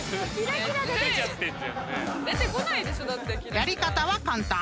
［やり方は簡単］